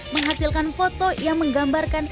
menghasilkan foto yang menggambarkan